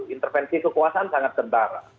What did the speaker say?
intervensi kekuasaan sangat sedara